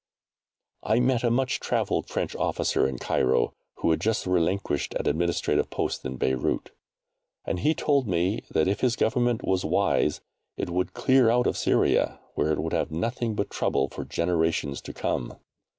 I met a much travelled French officer in Cairo, who had just relinquished an administrative post in Beyrout, and he told me that, if his Government was wise, it would clear out of Syria, where it would have nothing but trouble for generations to come.